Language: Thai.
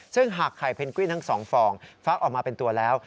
ซึ่งหากไข่เพนกวินทั้ง๒ฟองฟักออกมาเป็นตัวแล้ว